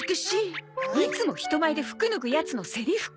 いつも人前で服脱ぐヤツのセリフか！